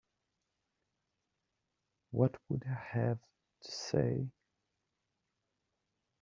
What would I have to say?